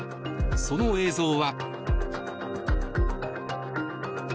その映像は。